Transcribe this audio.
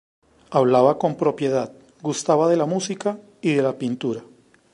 Hablaba con propiedad, gustaba de la música y de la pintura.